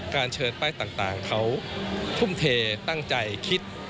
เชิญป้ายต่างเขาทุ่มเทตั้งใจคิด